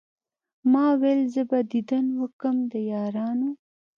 ما ول زه به ديدن وکم د يارانو